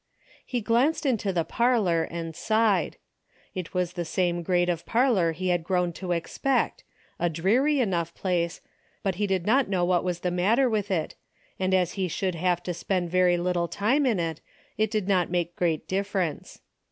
He glanced into the parlor and sighed. It was the same grade of parlor he had grovvn to expect, a dreary enough place, but he did not know what was the matter with it, and as he should have to spend very little time in it, it did not make great difference.